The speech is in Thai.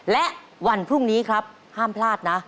และวันพรุ่งนี้ครับห้ามพลาดนะ